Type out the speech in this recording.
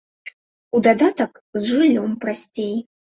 У дадатак, з жыллём прасцей.